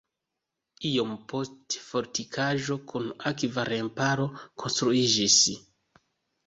Iom poste fortikaĵo kun akva remparo konstruiĝis.